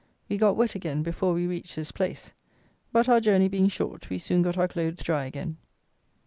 We got wet again before we reached this place; but, our journey being short, we soon got our clothes dry again.